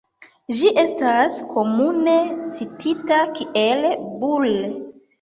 Ĝi estas komune citita kiel "Bull.